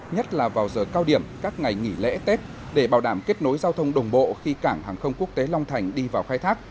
nhất là vào giờ cao điểm các ngày nghỉ lễ tết để bảo đảm kết nối giao thông đồng bộ khi cảng hàng không quốc tế long thành đi vào khai thác